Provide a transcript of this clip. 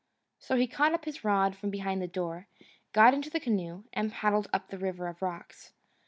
So he caught up his rod from behind the door, and got into the canoe and paddled up the River of Rocks.